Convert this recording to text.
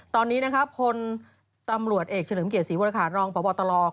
ตอนนี้นะครับคนตำรวจเอกเฉลิมเกียรติศรีโวราคารองค์พบตลอก